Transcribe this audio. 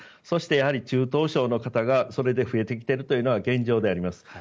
そして、やはり中等症の方がそれで増えてきているというのが現状であります。